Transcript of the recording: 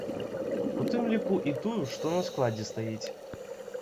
У тым ліку і тую, што на складзе стаіць.